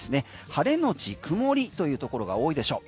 晴れのち曇りというところが多いでしょう。